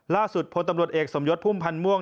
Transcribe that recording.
ล่าสุดพลตำรวจเอกสมยศพุ่มพันธ์ม่วง